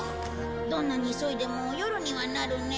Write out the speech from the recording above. どんなに急いでも夜にはなるね。